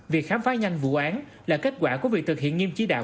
việc khám phá nhanh vụ án là kết quả của việc thực hiện nghiêm chí đạo